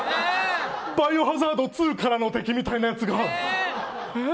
「バイオハザード２」からの敵みたいなやつだ。